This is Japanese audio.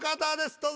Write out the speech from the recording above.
どうぞ。